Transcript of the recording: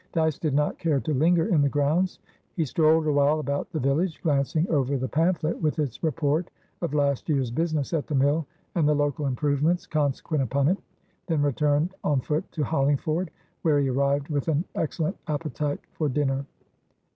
Dyce did not care to linger in the grounds. He strolled awhile about the village, glancing over the pamphlet with its report of last year's business at the mill, and the local improvements consequent upon it, then returned on foot to Hollingford, where he arrived with an excellent appetite for dinner.